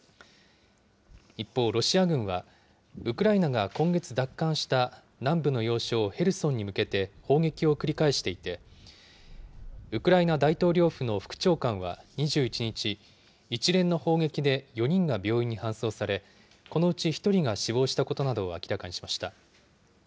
一方、ロシア軍は、ウクライナが今月奪還した南部の要衝ヘルソンに向けて砲撃を繰り返していて、ウクライナ大統領府の副長官は２１日、一連の砲撃で４人が病院に搬送され、このうち１人が死亡したことなどを明らかにしました。